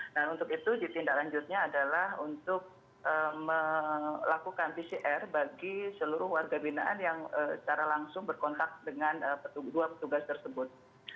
nah untuk itu ditindaklanjutnya adalah untuk melakukan pcr bagi seluruh warga binaan yang secara langsung berkontak dengan dua petugas tersebut